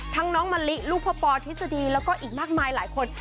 ทั้งน้องมัลลิลูกพ่อปอร์ธิสดีแล้วก็อีกมากมายหลายคน